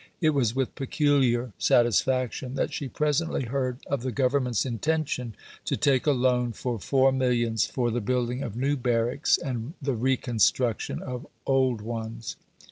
It was with peculiar satisfaction that she presently heard of the Government's intention to take a loan for four millions for the building of new barracks and the reconstruction of old ones.